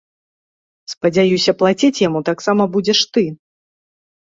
Спадзяюся, плаціць яму таксама будзеш ты!!!.